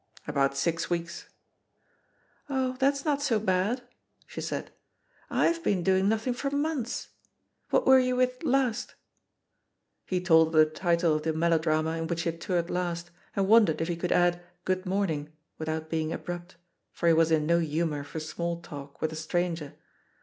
"About six weeks." "Oh, that's not so bad,'* she said; '^Fve been doing nothing for months. What were you with last?" He told her the title of the melodrama in which he had toured last, and wondered if he could add "Good morning" without being abrupt, for he was in no humour for small talk with a stranger.